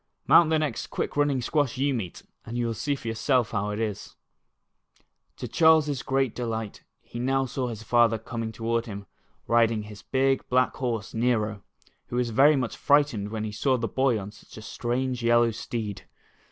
Mount the next quick running squash you meet, and you will see for yourself how it is. To Charles's great delight he now saw his father coming toward him, riding his big black horse Xero, who was ver} much frightened when he saw the boy on such a strange yellow steed.